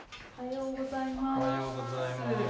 おはようございます。